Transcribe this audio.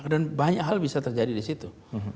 dan banyak hal bisa terjadi di situ